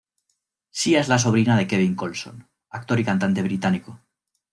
Sia es la sobrina de Kevin Colson, actor y cantante británico.